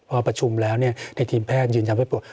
พอประชุมแล้วในทีมแพทย์ยืนยันให้ปวด